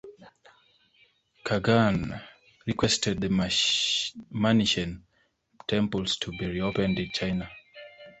Qaghan requested the Manichean temples to be reopened in China.